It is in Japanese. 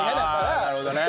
ああなるほどね。